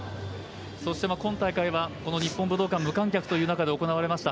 そして今大会はこの日本武道館、無観客の中で行われました。